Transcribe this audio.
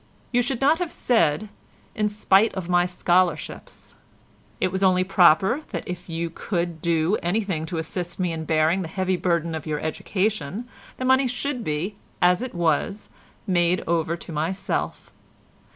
You should not have said 'in spite of my scholarships.' It was only proper that if you could do anything to assist me in bearing the heavy burden of your education, the money should be, as it was, made over to myself.